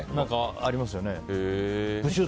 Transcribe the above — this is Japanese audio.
ありますよね。